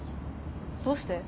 どうして？